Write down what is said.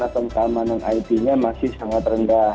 atau keamanan it nya masih sangat rendah